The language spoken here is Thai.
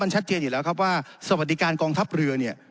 ชัดเจนอยู่แล้วครับว่าสวัสดิการกองทัพเรือเนี่ย